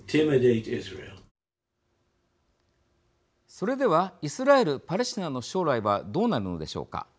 それではイスラエル・パレスチナの将来はどうなるのでしょうか。